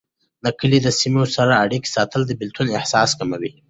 د کلي د سیمو سره اړيکې ساتل، د بیلتون احساس کموي.